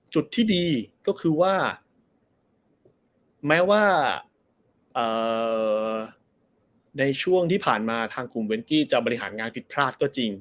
จุดที่ดีก็คือว่าแม้ว่าในช่วงที่ผ่านมาทางกลุ่มเวนกี้จะบริหารงานผิดพลาดก็จริง